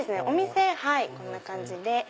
お店こんな感じで。